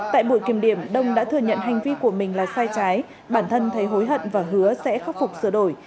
tại buổi kiểm điểm đông đã thừa nhận hành vi của mình là sai trái bản thân thấy hối hận và hứa sẽ khắc phục sửa đổi